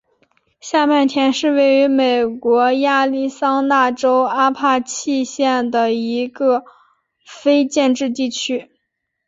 下麦田是位于美国亚利桑那州阿帕契县的一个非建制地区。